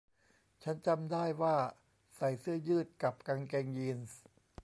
ฉันจำได้ว่าใส่เสื้อยืดกับกางเกงยีนส์